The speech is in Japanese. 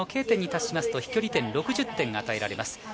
Ｋ点に達しますと飛距離点６０点が与えられます。